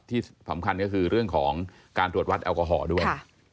ที่สำคัญก็คือเรื่องของการตรวจวัดแอลกอฮอล์ด้วย